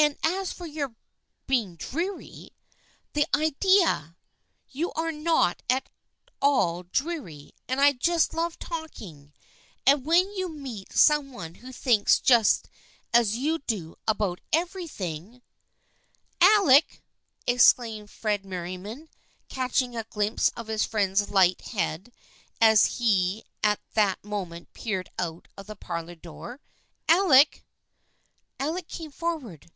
" And as for your being dreary ! The idea ! You are not at all dreary and I just love talking, and when you meet some one who thinks just as you do about everything "" Alec !" exclaimed Fred Merriam, catching a glimpse of his friend's light head as he at that moment peered out of the parlor door. " Alec !" Alec came forward.